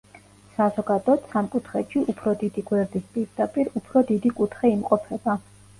საზოგადოდ, სამკუთხედში უფრო დიდი გვერდის პირდაპირ უფრო დიდი კუთხე იმყოფება.